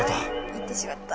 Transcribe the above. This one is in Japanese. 行ってしまった。